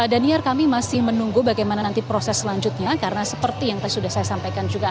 dan iar kami masih menunggu bagaimana nanti proses selanjutnya karena seperti yang sudah saya sampaikan juga